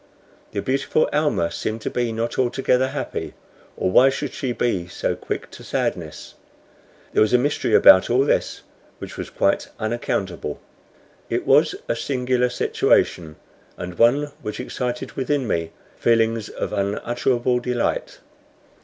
The beautiful Almah seemed to be not altogether happy, or why should she be so quick to sadness? There was a mystery about all this which was quite unaccountable. It was a singular situation, and one which excited within me feelings of unutterable delight.